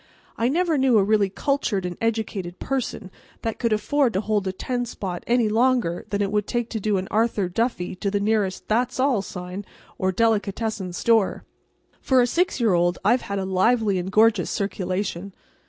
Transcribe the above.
I never knew a really cultured and educated person that could afford to hold a ten spot any longer than it would take to do an Arthur Duffy to the nearest That's All! sign or delicatessen store. For a six year old, I've had a lively and gorgeous circulation.